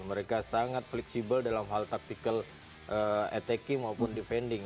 mereka sangat fleksibel dalam hal taktikal attacking maupun defending